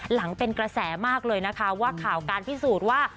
หลังเป็นกระแสมากเลยนะคะว่าข่าวการพิสูจน์ว่า